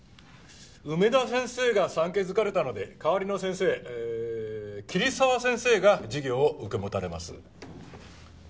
梅田先生が産気づかれたので代わりの先生えー桐沢先生が授業を受け持たれます。